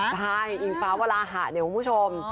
ใช่อิงฟ้าวลาหะเนี่ยคุณผู้ชม